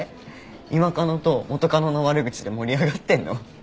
今カノと元カノの悪口で盛り上がってんの？